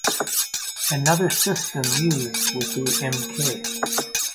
Another system used with the Mk.